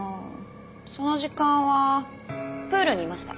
その時間はプールにいました。